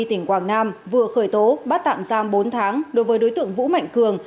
tỉnh quảng nam vừa khởi tố bắt tạm giam bốn tháng đối với đối tượng vũ mạnh cường